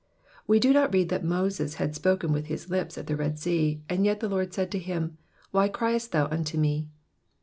We do not read that Moses had spoken with his lips at the Red Sea, and yet the Lord said to him, Why criest thou unto me